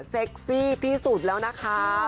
ซี่ที่สุดแล้วนะคะ